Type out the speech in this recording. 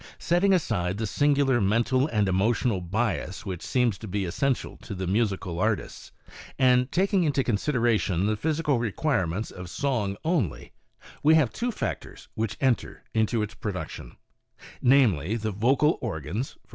Setting aside the singular mental and emotional bias which seems to be essential to the musical artists, and taking into consideration the physical requirements of song only, we have two factors which enter into its production, namely, the vocal organs — i.